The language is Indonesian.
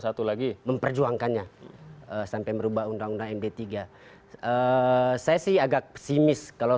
satu lagi memperjuangkannya sampai merubah undang undang md tiga saya sih agak pesimis kalau